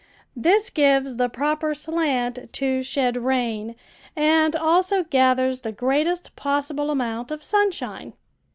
This gives the proper slant to shed rain, and also gathers the greatest possible amount of sunshine.